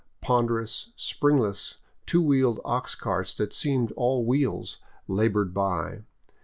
Ponderous, springless, two wheeled ox carts that seemed all wheels labored by.